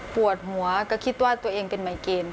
ปวดหัวก็คิดว่าตัวเองเป็นมายเกรนค่ะ